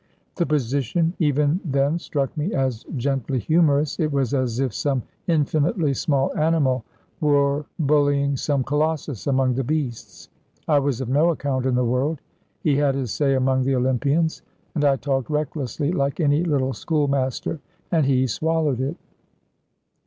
The position, even then, struck me as gently humorous. It was as if some infinitely small animal were bullying some colossus among the beasts. I was of no account in the world, he had his say among the Olympians. And I talked recklessly, like any little school master, and he swallowed it.